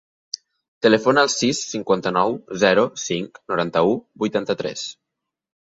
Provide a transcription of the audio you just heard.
Telefona al sis, cinquanta-nou, zero, cinc, noranta-u, vuitanta-tres.